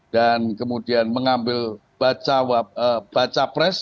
dan kemudian mengambil baca pres